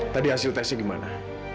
tadi hasil tesnya gimana